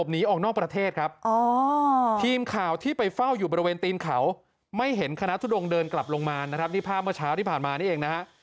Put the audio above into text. นี่ภาพเมื่อเช้าที่ผ่านมานี่เองนะฮะ